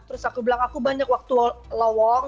terus aku bilang aku banyak waktu lowong